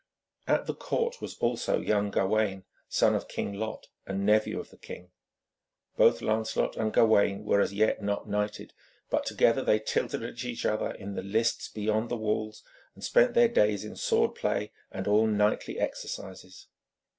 At the court was also young Gawaine, son of King Lot, and nephew of the king. Both Lancelot and Gawaine were as yet not knighted, but together they tilted at each other in the lists beyond the walls, and spent their days in sword play and all knightly exercises.